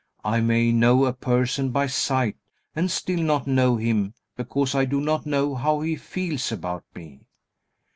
I may know a person by sight, and still not know him, because I do not know how he feels about me.